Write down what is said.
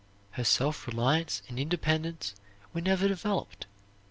Her self reliance and independence were never developed.